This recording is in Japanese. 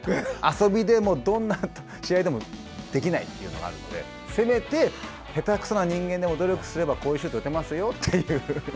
遊びでも、どんな試合でもできないっていうのがあるのでせめて、へたくそな人間でも努力すればこういうシュート打てますよっていう。